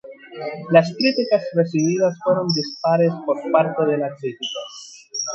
Las críticas recibidas fueron dispares por parte de la crítica.